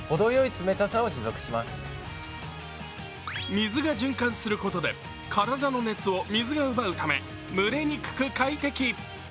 水が循環することで体の熱を水が奪うため蒸れにくく快適。